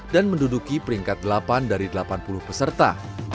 dan menduduki peringkat delapan dari delapan puluh peserta